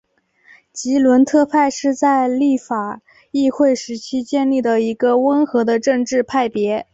吉伦特派是在立法议会时期建立的一个温和的政治派别。